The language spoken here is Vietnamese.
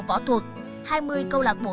võ thuật hai mươi câu lạc bộ